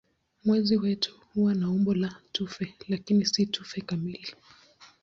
Mwezi wetu huwa na umbo la tufe lakini si tufe kamili.